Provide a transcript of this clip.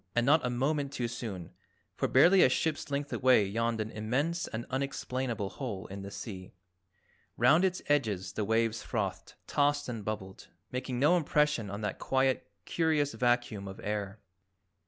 And not a moment too soon, for barely a ship's length away yawned an immense and unexplainable hole in the sea. Round its edges the waves frothed, tossed and bubbled, making no impression on that quiet curious vacuum of air.